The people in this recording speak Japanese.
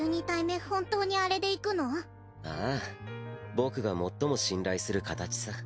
僕が最も信頼する形さ。